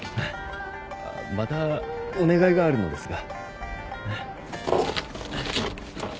またお願いがあるのですが。